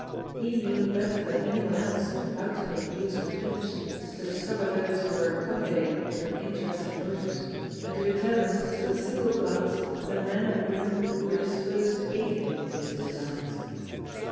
He knew better than anyone else how to make use of pimps, to discover those who were accommodating through interested motives, and to determine with a single glance the men or women who were disposed to aid him in his designs.